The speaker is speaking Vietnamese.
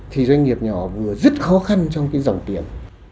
thì doanh nghiệp nhỏ vừa rất khó khăn trong cái dòng tiền